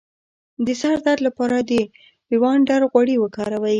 د سر درد لپاره د لیوانډر غوړي وکاروئ